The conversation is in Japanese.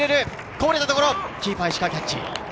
こぼれたところ、キーパー・石川がキャッチ。